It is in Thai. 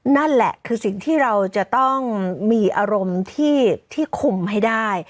นั่นแหละคือสิ่งที่เราจะต้องมีอารมณ์ที่คุมให้ได้